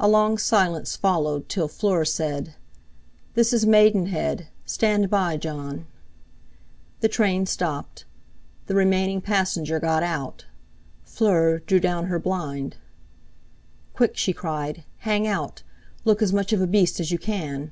A long silence followed till Fleur said: "This is Maidenhead; stand by, Jon!" The train stopped. The remaining passenger got out. Fleur drew down her blind. "Quick!" she cried. "Hang out! Look as much of a beast as you can."